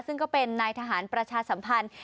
ซึ่งก็เป็นนายทหารประชาสัมพันธ์